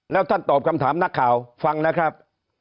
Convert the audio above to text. แล้วท่านตอบคำถามนักข่าวฟังนะครับ